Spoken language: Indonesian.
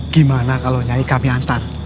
gimana kalau nyai kami antar